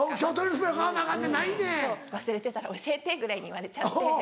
「忘れてたら教えて」ぐらいに言われちゃって。